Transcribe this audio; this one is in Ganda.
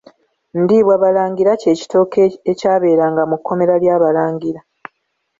Ndiibwabalangira kye kitooke ekyabeeranga mu kkomera ly’Abalangira.